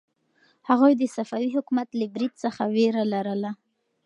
هغه د صفوي حکومت له برید څخه وېره لرله.